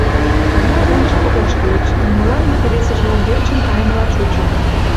Пырля ончыко ошкыльыч, нунылан икте-весыжлан верчын кайымыла чучо.